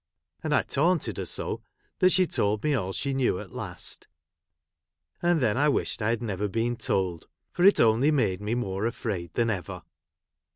And I taunted her so, that she told me all she knew, at last ; and then I wished I had never been told, for it only made me more afraid than ever.